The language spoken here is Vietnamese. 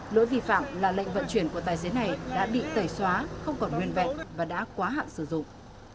lỗi vi phạm là lệnh vận chuyển của tài xế này đã bị tẩy xóa không còn nguyên vẹn và đã quá hạn sử dụng